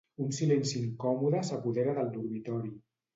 Un silenci incòmode s'apodera del dormitori.